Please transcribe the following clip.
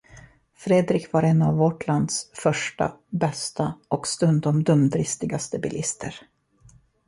Fredrik var en av vårt lands första, bästa och stundom dumdristigaste bilister.